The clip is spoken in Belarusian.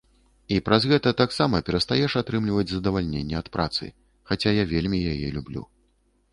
І праз гэта таксама перастаеш атрымліваць задавальненне ад працы, хаця я вельмі яе люблю.